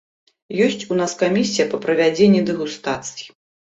Ёсць у нас камісія па правядзенні дэгустацый.